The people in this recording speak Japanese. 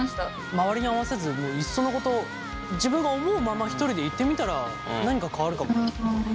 周りに合わせずいっそのこと自分が思うままひとりでいってみたら何か変わるかも。